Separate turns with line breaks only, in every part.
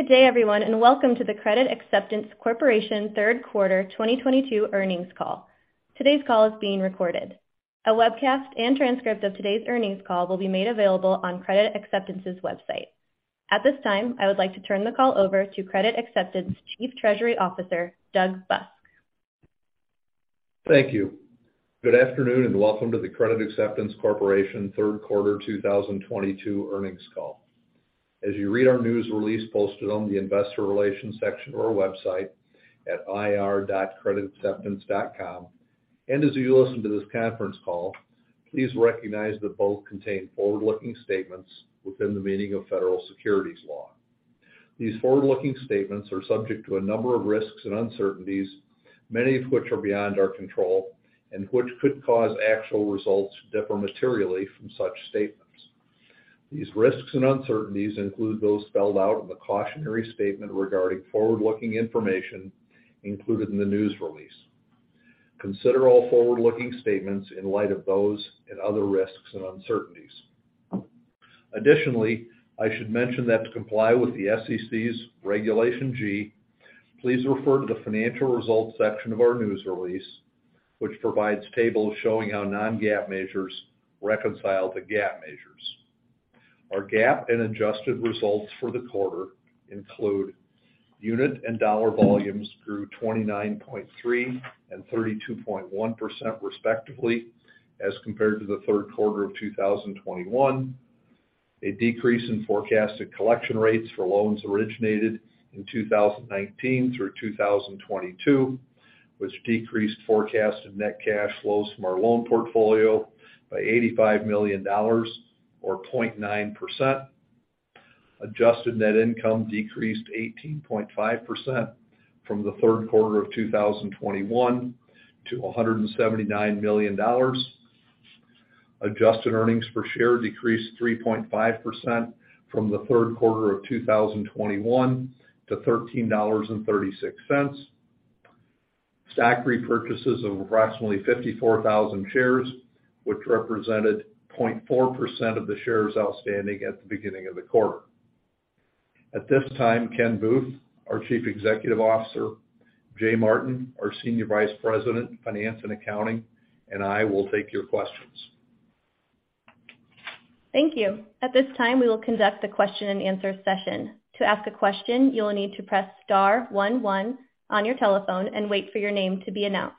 Good day, everyone, and welcome to the Credit Acceptance Corporation Third Quarter 2022 Earnings Call. Today's call is being recorded. A webcast and transcript of today's earnings call will be made available on Credit Acceptance's website. At this time, I would like to turn the call over to Credit Acceptance Chief Treasury Officer, Doug Busk.
Thank you. Good afternoon, and welcome to the Credit Acceptance Corporation Third Quarter 2022 Earnings Call. As you read our news release posted on the investor relations section of our website at ir.creditacceptance.com, and as you listen to this conference call, please recognize that both contain forward-looking statements within the meaning of Federal Securities Law. These forward-looking statements are subject to a number of risks and uncertainties, many of which are beyond our control and which could cause actual results to differ materially from such statements. These risks and uncertainties include those spelled out in the cautionary statement regarding forward-looking information included in the news release. Consider all forward-looking statements in light of those and other risks and uncertainties. Additionally, I should mention that to comply with the SEC's Regulation G, please refer to the financial results section of our news release, which provides tables showing how non-GAAP measures reconcile to GAAP measures. Our GAAP and adjusted results for the quarter include unit and dollar volumes grew 29.3% and 32.1% respectively as compared to the third quarter of 2021. A decrease in forecasted collection rates for loans originated in 2019 through 2022, which decreased forecasted net cash flows from our loan portfolio by $85 million or 0.9%. Adjusted net income decreased 18.5% from the third quarter of 2021 to $179 million. Adjusted earnings per share decreased 3.5% from the third quarter of 2021 to $13.36. Stock repurchases of approximately 54,000 shares, which represented 0.4% of the shares outstanding at the beginning of the quarter. At this time, Ken Booth, our Chief Executive Officer, Jay Martin, our Senior Vice President of Finance and Accounting, and I will take your questions.
Thank you. At this time, we will conduct a question-and-answer session. To ask a question, you will need to press star one one on your telephone and wait for your name to be announced.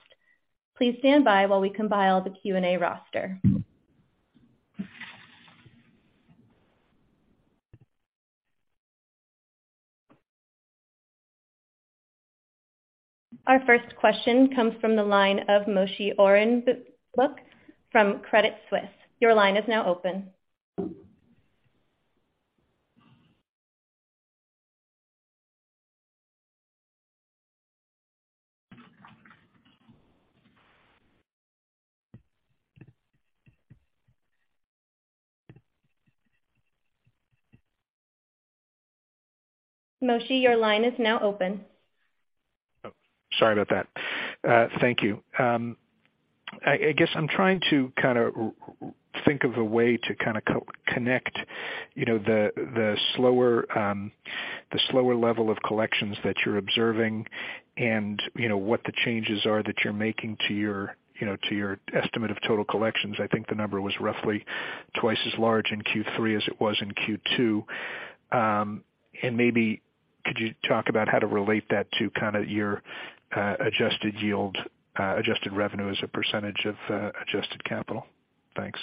Please stand by while we compile the Q&A roster. Our first question comes from the line of Moshe Orenbuch from Credit Suisse. Your line is now open. Moshe, your line is now open.
Oh, sorry about that. Thank you. I guess I'm trying to kinda think of a way to kinda connect, you know, the slower level of collections that you're observing and, you know, what the changes are that you're making to your, you know, to your estimate of total collections. I think the number was roughly twice as large in Q3 as it was in Q2. Maybe could you talk about how to relate that to kinda your adjusted yield, adjusted revenue as a percentage of adjusted capital? Thanks.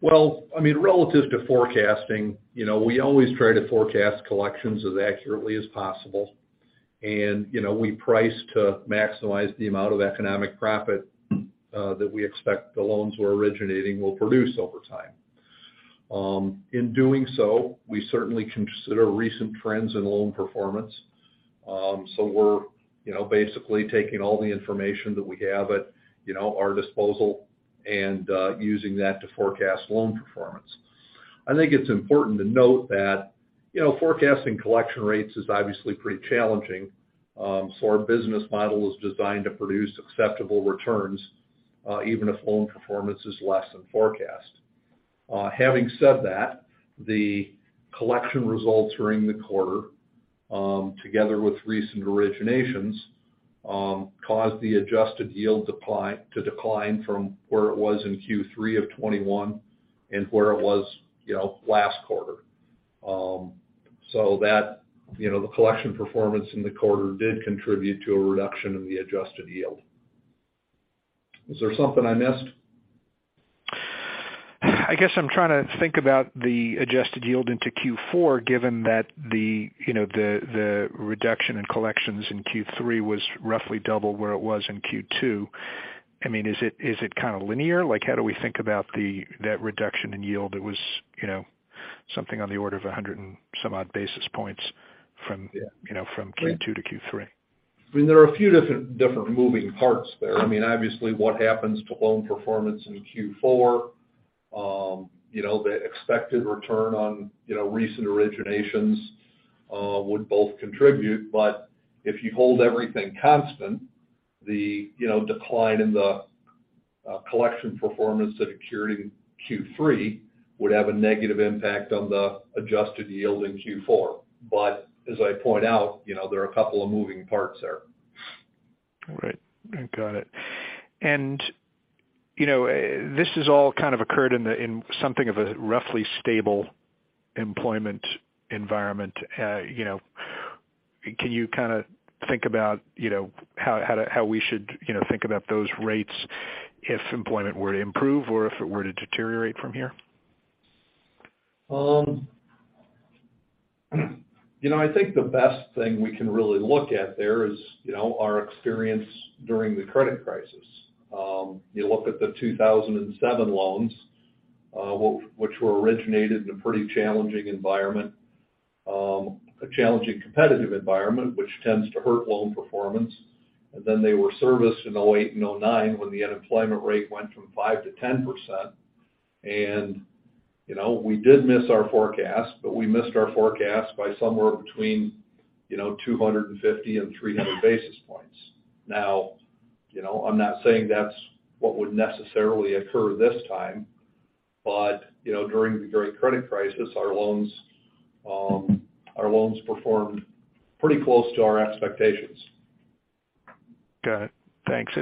Well, I mean, relative to forecasting, you know, we always try to forecast collections as accurately as possible. You know, we price to maximize the amount of economic profit that we expect the loans we're originating will produce over time. In doing so, we certainly consider recent trends in loan performance. We're, you know, basically taking all the information that we have at our disposal and using that to forecast loan performance. I think it's important to note that, you know, forecasting collection rates is obviously pretty challenging. Our business model is designed to produce acceptable returns even if loan performance is less than forecast. Having said that, the collection results during the quarter, together with recent originations, caused the adjusted yield to decline from where it was in Q3 of 2021 and where it was, you know, last quarter. That, you know, the collection performance in the quarter did contribute to a reduction in the adjusted yield. Is there something I missed?
I guess I'm trying to think about the adjusted yield into Q4, given that, you know, the reduction in collections in Q3 was roughly double where it was in Q2. I mean, is it kinda linear? Like, how do we think about that reduction in yield? It was, you know, something on the order of 100 and some odd basis points from-
Yeah.
You know, from Q2 to Q3.
I mean, there are a few different moving parts there. I mean, obviously, what happens to loan performance in Q4, you know, the expected return on, you know, recent originations, would both contribute. If you hold everything constant, the you know, decline in the collection performance that occurred in Q3 would have a negative impact on the adjusted yield in Q4. As I point out, you know, there are a couple of moving parts there.
All right. I got it. You know, this has all kind of occurred in something of a roughly stable employment environment. You know, can you kind of think about, you know, how we should, you know, think about those rates if employment were to improve or if it were to deteriorate from here?
You know, I think the best thing we can really look at there is, you know, our experience during the credit crisis. You look at the 2007 loans, which were originated in a pretty challenging environment, a challenging competitive environment which tends to hurt loan performance. You know, we did miss our forecast, but we missed our forecast by somewhere between, you know, 250 and 300 basis points. Now, you know, I'm not saying that's what would necessarily occur this time, but, you know, during the great credit crisis, our loans performed pretty close to our expectations.
Got it. Thanks.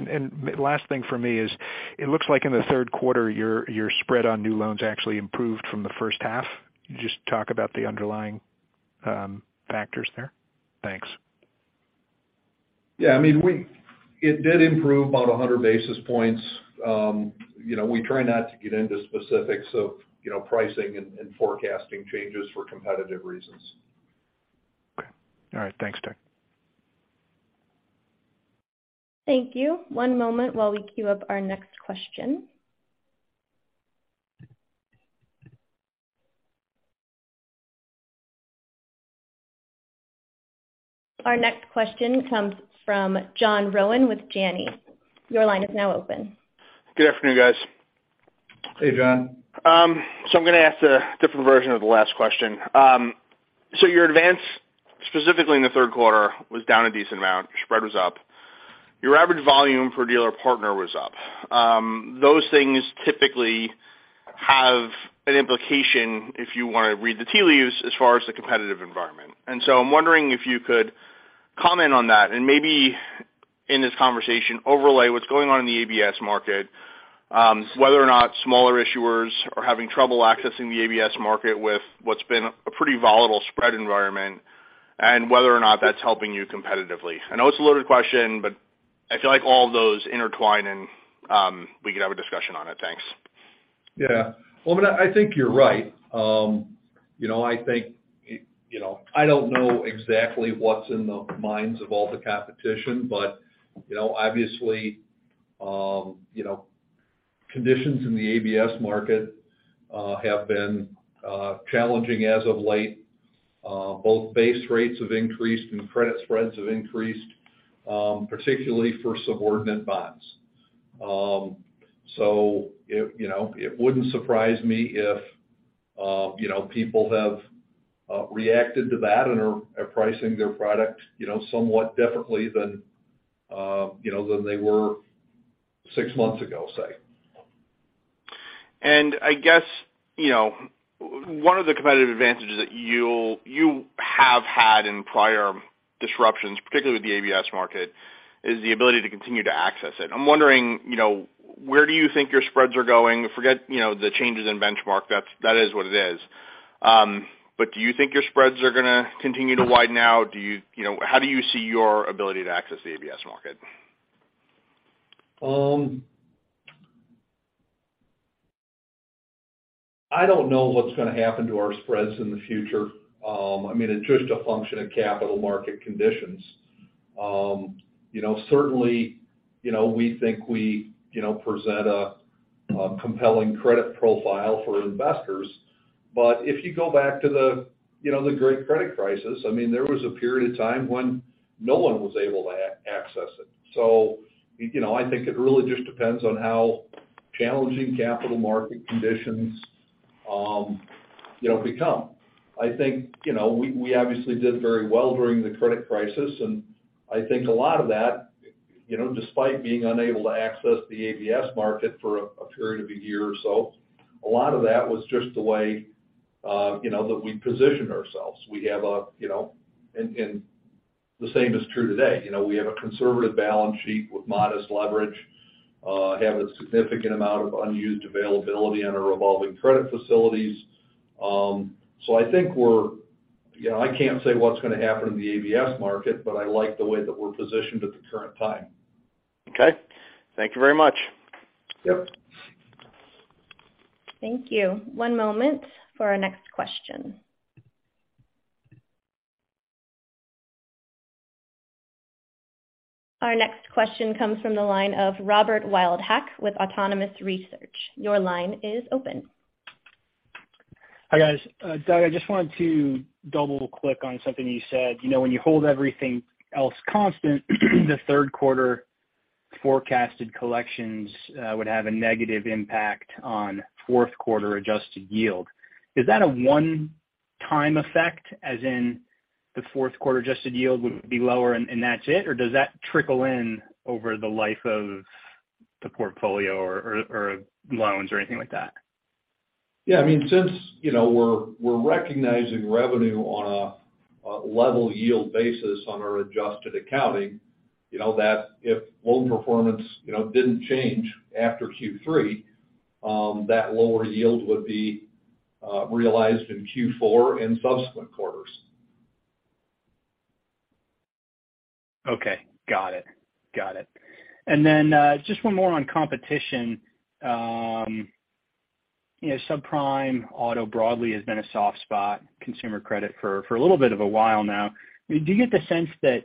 Last thing for me is, it looks like in the third quarter, your spread on new loans actually improved from the first half. Can you just talk about the underlying factors there? Thanks.
Yeah. I mean, It did improve about 100 basis points. You know, we try not to get into specifics of, you know, pricing and forecasting changes for competitive reasons.
Okay. All right. Thanks, Doug.
Thank you. One moment while we queue up our next question. Our next question comes from John Rowan with Janney. Your line is now open.
Good afternoon, guys.
Hey, John.
I'm gonna ask a different version of the last question. Your advance, specifically in the third quarter, was down a decent amount. Your spread was up. Your average volume per dealer partner was up. Those things typically have an implication if you wanna read the tea leaves as far as the competitive environment. I'm wondering if you could comment on that. Maybe in this conversation, overlay what's going on in the ABS market, whether or not smaller issuers are having trouble accessing the ABS market with what's been a pretty volatile spread environment, and whether or not that's helping you competitively. I know it's a loaded question, but I feel like all of those intertwine and we could have a discussion on it. Thanks.
Yeah. Well, I mean, I think you're right. You know, I think, you know, I don't know exactly what's in the minds of all the competition, but, you know, obviously, you know, conditions in the ABS market have been challenging as of late. Both base rates have increased and credit spreads have increased, particularly for subordinate bonds. It, you know, it wouldn't surprise me if, you know, people have reacted to that and are pricing their products, you know, somewhat differently than, you know, than they were six months ago, say.
I guess, you know, one of the competitive advantages that you have had in prior disruptions, particularly with the ABS market, is the ability to continue to access it. I'm wondering, you know, where do you think your spreads are going? Forget, you know, the changes in benchmark. That is what it is. But do you think your spreads are gonna continue to widen out? Do you know, how do you see your ability to access the ABS market?
I don't know what's gonna happen to our spreads in the future. I mean, it's just a function of capital market conditions. You know, certainly, you know, we think we, you know, present a compelling credit profile for investors. If you go back to the, you know, the great credit crisis, I mean, there was a period of time when no one was able to access it. You know, I think it really just depends on how challenging capital market conditions, you know, become. I think, you know, we obviously did very well during the credit crisis, and I think a lot of that, you know, despite being unable to access the ABS market for a period of a year or so, a lot of that was just the way, you know, that we positioned ourselves. The same is true today. You know, we have a conservative balance sheet with modest leverage, have a significant amount of unused availability on our revolving credit facilities. I think you know, I can't say what's gonna happen in the ABS market, but I like the way that we're positioned at the current time.
Okay. Thank you very much.
Yep.
Thank you. One moment for our next question. Our next question comes from the line of Robert Wildhack with Autonomous Research. Your line is open.
Hi, guys. Doug, I just wanted to double-click on something you said. You know, when you hold everything else constant, the third quarter forecasted collections would have a negative impact on fourth quarter adjusted yield. Is that a one-time effect, as in the fourth quarter adjusted yield would be lower and that's it? Or does that trickle in over the life of the portfolio or loans or anything like that?
Yeah. I mean, since, you know, we're recognizing revenue on a level yield basis on our adjusted accounting, you know, that if loan performance, you know, didn't change after Q3, that lower yield would be realized in Q4 and subsequent quarters.
Okay. Got it. Then, just one more on competition. You know, subprime auto broadly has been a soft spot consumer credit for a little bit of a while now. I mean, do you get the sense that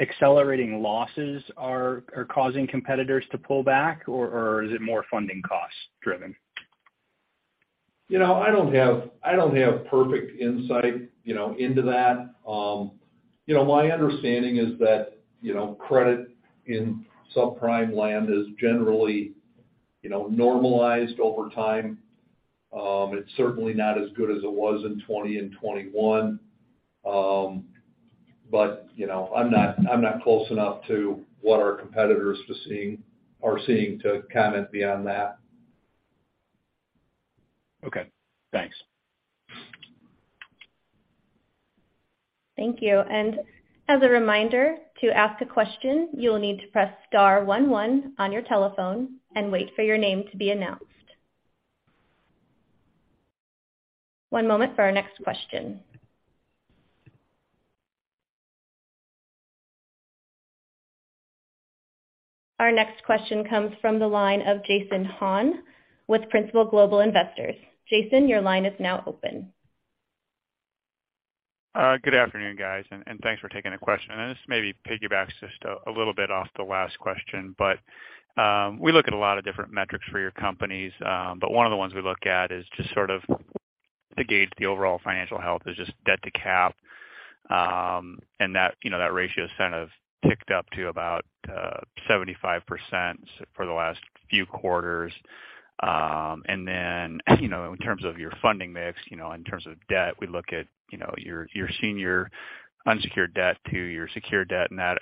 accelerating losses are causing competitors to pull back, or is it more funding costs driven?
You know, I don't have perfect insight, you know, into that. You know, my understanding is that, you know, credit in subprime land is generally, you know, normalized over time. It's certainly not as good as it was in 2020 and 2021. You know, I'm not close enough to what our competitors are seeing to comment beyond that.
Okay. Thanks.
Thank you. As a reminder, to ask a question, you'll need to press star one one on your telephone and wait for your name to be announced. One moment for our next question. Our next question comes from the line of Jason Hahn with Principal Global Investors. Jason, your line is now open.
Good afternoon, guys, and thanks for taking the question. This maybe piggybacks just a little bit off the last question. We look at a lot of different metrics for your companies, but one of the ones we look at is just sort of to gauge the overall financial health is just debt to cap. That, you know, that ratio has kind of ticked up to about 75% for the last few quarters. You know, in terms of your funding mix, you know, in terms of debt, we look at, you know, your senior unsecured debt to your secured debt, and that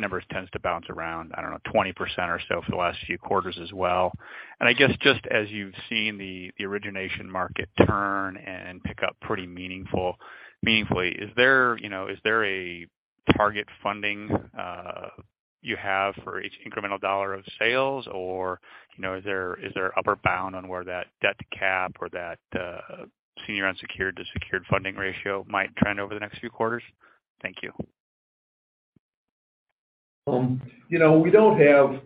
number tends to bounce around, I don't know, 20% or so for the last few quarters as well. I guess just as you've seen the origination market turn and pick up pretty meaningfully, is there, you know, a target funding you have for each incremental dollar of sales or, you know, is there an upper bound on where that debt to cap or that senior unsecured to secured funding ratio might trend over the next few quarters? Thank you.
You know, we don't have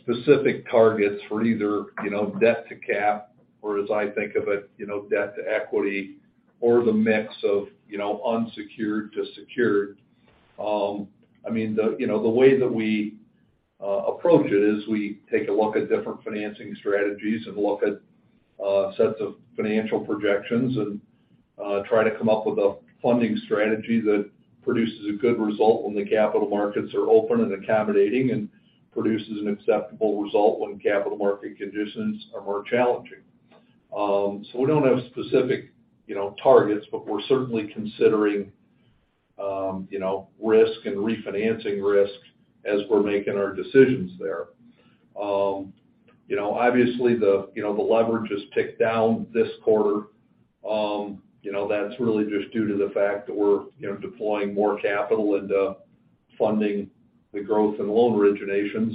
specific targets for either, you know, debt to cap or as I think of it, you know, debt to equity or the mix of, you know, unsecured to secured. I mean, the way that we approach it is we take a look at different financing strategies and look at sets of financial projections and try to come up with a funding strategy that produces a good result when the capital markets are open and accommodating and produces an acceptable result when capital market conditions are more challenging. We don't have specific, you know, targets, but we're certainly considering, you know, risk and refinancing risk as we're making our decisions there. You know, obviously the leverage is ticked down this quarter. You know, that's really just due to the fact that we're, you know, deploying more capital into funding the growth in loan originations,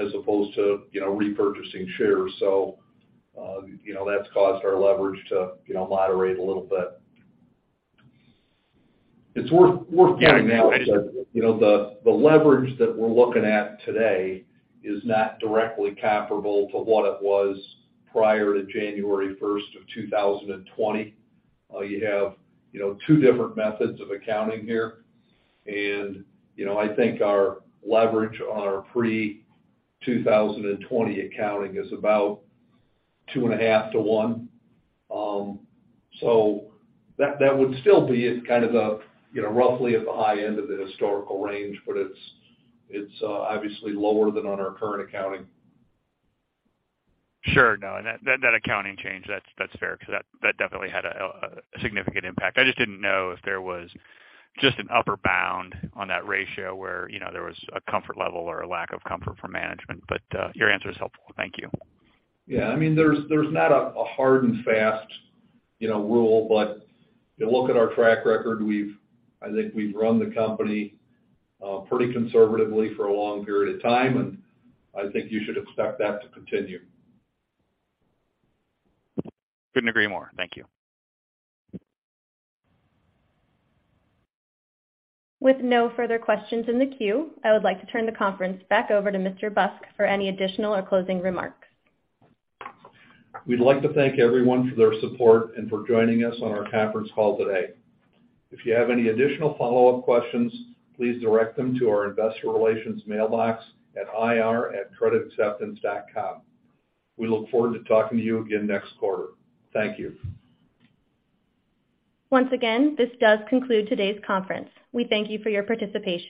as opposed to, you know, repurchasing shares. You know, that's caused our leverage to, you know, moderate a little bit. It's worth pointing out that, you know, the leverage that we're looking at today is not directly comparable to what it was prior to January 1, 2020. You have, you know, two different methods of accounting here. You know, I think our leverage on our pre-2020 accounting is about 2.5 to 1. That would still be at kind of a, you know, roughly at the high end of the historical range, but it's obviously lower than on our current accounting.
Sure. No. That accounting change, that's fair 'cause that definitely had a significant impact. I just didn't know if there was just an upper bound on that ratio where, you know, there was a comfort level or a lack of comfort for management. Your answer is helpful. Thank you.
Yeah. I mean, there's not a hard and fast, you know, rule. If you look at our track record, I think we've run the company pretty conservatively for a long period of time, and I think you should expect that to continue.
Couldn't agree more. Thank you.
With no further questions in the queue, I would like to turn the conference back over to Mr. Busk for any additional or closing remarks.
We'd like to thank everyone for their support and for joining us on our conference call today. If you have any additional follow-up questions, please direct them to our investor relations mailbox at ir@creditacceptance.com. We look forward to talking to you again next quarter. Thank you.
Once again, this does conclude today's conference. We thank you for your participation.